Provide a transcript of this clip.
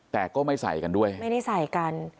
แต่ก็ไม่ใส่กันด้วยไม่ได้ใส่กัน